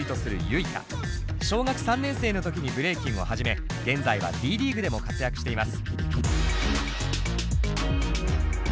小学３年生の時にブレイキンを始め現在はＤリーグでも活躍しています。